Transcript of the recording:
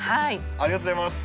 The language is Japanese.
ありがとうございます。